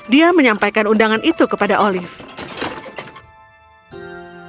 dia menyampaikan undangan itu kepada olive